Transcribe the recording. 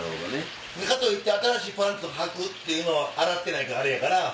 かといって新しいパンツはくのは洗ってないからあれやから。